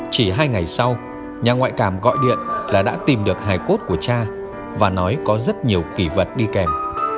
chỉ hai ngày sau nhà ngoại cảm gọi điện là đã tìm được hải cốt của cha và nói có rất nhiều kỳ vật đi kèm